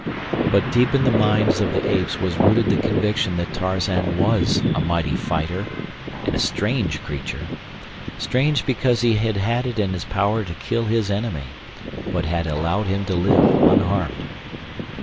But deep in the minds of the apes was rooted the conviction that Tarzan was a mighty fighter and a strange creature. Strange because he had had it in his power to kill his enemy, but had allowed him to live—unharmed.